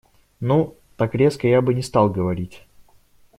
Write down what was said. Ну, так резко я бы не стал говорить.